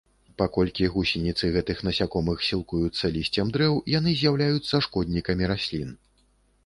Паколькі гусеніцы гэтых насякомых сілкуюцца лісцем дрэў, яны з'яўляюцца шкоднікамі раслін.